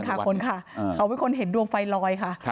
คนค่ะเค้ามีคนมีดวงไฟลอยค่ะ